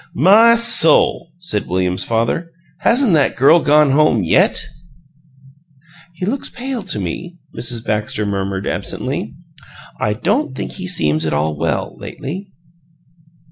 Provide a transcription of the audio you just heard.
"My soul!" said William's father. "Hasn't that girl gone home YET?" "He looks pale to me," Mrs. Baxter murmured, absently. "I don't think he seems at all well, lately."